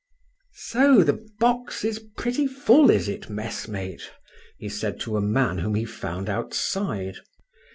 "So the box is pretty full, is it, messmate?" he said to a man whom he found outside.